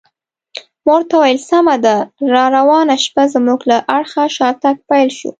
ما ورته وویل: سمه ده، راروانه شپه زموږ له اړخه شاتګ پیل شو.